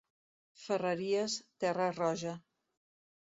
Ferreries, terra roja.